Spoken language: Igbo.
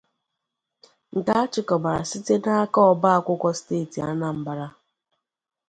nke a chịkọbàrà site n'aka Ọba Akwụkwọ Steeti Anambra